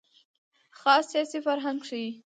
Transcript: خاص سیاسي فرهنګ ښيي.